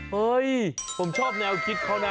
เฮ้ยผมชอบแนวคิดเขานะ